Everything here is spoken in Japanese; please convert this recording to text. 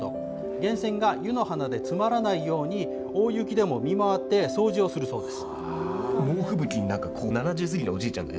源泉が湯の花で詰まらないように、大雪でも見回って掃除をするそうです。